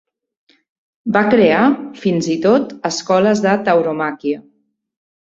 Va crear, fins i tot, escoles de tauromàquia.